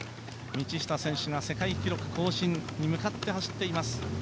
道下選手が世界記録更新に向かって走ってます。